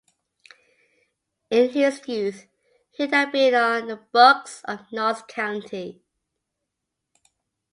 In his youth, he had been on the books of Notts County.